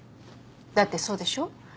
だってそうでしょう？